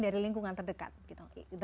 dari lingkungan terdekat